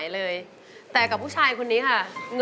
ร้องได้ให้ร้าน